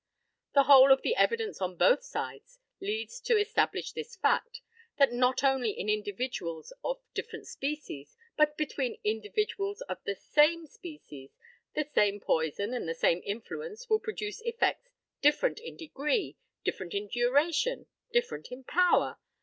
The whole of the evidence on both sides leads to establish this fact, that not only in individuals of different species, but between individuals of the same species, the same poison and the same influence will produce effects different in degree, different in duration, different in power.